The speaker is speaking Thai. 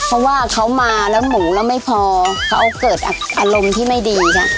เพราะว่าเขามาแล้วหมูแล้วไม่พอเขาเกิดอารมณ์ที่ไม่ดีค่ะ